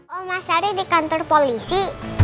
oh mas arief di kantor polisi